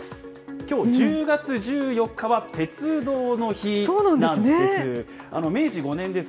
きょう１０月１４日は鉄道の日なんです。